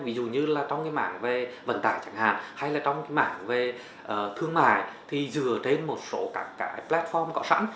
ví dụ như là trong cái mảng về vận tải chẳng hạn hay là trong cái mảng về thương mại thì dựa trên một số các cái platform có sẵn